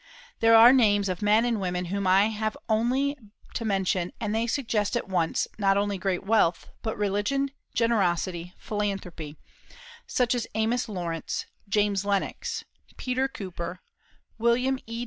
There are names of men and women whom I have only to mention and they suggest at once not only great wealth, but religion, generosity, philanthropy, such as Amos Laurence, James Lennox, Peter Cooper, William E.